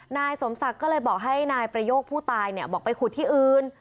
นายสมศักดิ์ก็เลยบอกให้นายประโยคผู้ตายบอกไปขุดที่อื่น